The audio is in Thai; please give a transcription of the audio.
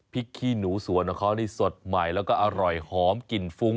ขี้หนูสวนของเขานี่สดใหม่แล้วก็อร่อยหอมกลิ่นฟุ้ง